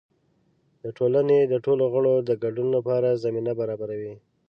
د ټولنې د ټولو غړو د ګډون لپاره زمینه برابروي.